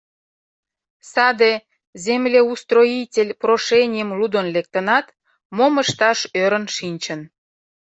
Саде землеустроитель прошенийым лудын лектынат, мом ышташ ӧрын шинчын.